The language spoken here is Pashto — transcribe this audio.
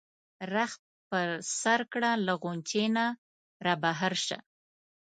رخت په سر کړه له غُنچې نه را بهر شه.